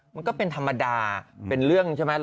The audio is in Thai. มันก็เป็นธรรมดาเป็นเรื่องใช่ไหม